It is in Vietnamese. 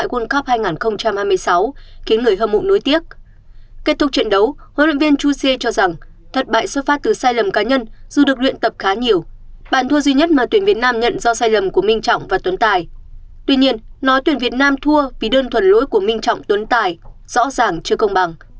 tuy nhiên nói tuyển việt nam thua vì đơn thuần lỗi của minh trọng tuấn tài rõ ràng chưa công bằng